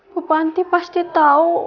bapak andi pasti tahu